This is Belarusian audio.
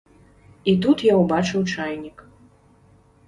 І тут я ўбачыў чайнік.